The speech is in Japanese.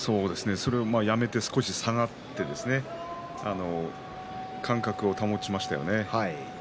それをやめて少し下がって間隔を保ちましたよね。